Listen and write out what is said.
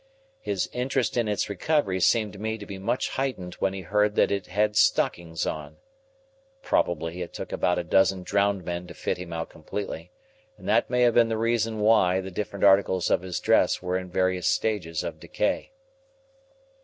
His interest in its recovery seemed to me to be much heightened when he heard that it had stockings on. Probably, it took about a dozen drowned men to fit him out completely; and that may have been the reason why the different articles of his dress were in various stages of decay.